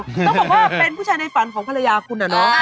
ต้องบอกว่าเป็นผู้ชายในฝันของภรรยาคุณอะเนาะ